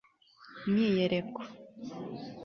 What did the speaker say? myiyereko